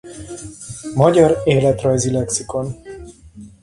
Magyar életrajzi lexikon